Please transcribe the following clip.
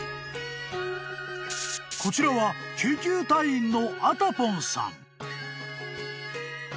［こちらは救急隊員の］